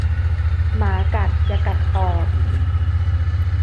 หมากัดอย่ากัดตอบ